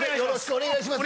お願いします。